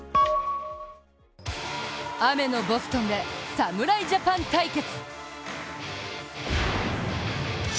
雨のボストンで侍ジャパン対決。